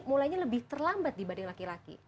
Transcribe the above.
mulainya lebih terlambat dibanding laki laki